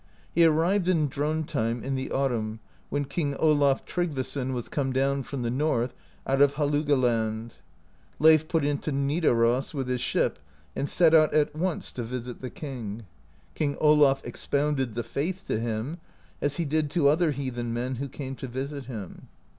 He arrived in Drontheim in the autumn, when King Olaf Tryggvasson was come down from the north, out of Halagoland. Leif put in to Nidaros with his ship, and set out at once to visit the king. King Olaf expounded the faith to him, as he did to other heathen men who came to visit him.